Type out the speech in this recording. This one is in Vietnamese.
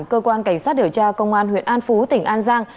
cơ quan cảnh sát điều tra công an huyện an phú tỉnh an giang